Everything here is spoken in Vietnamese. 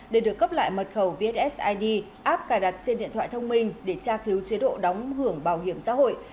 để được cấp lại mật khẩu vssid app cài đặt trên điện thoại thông minh để tra cứu chế độ đóng hưởng bảo hiểm xã hội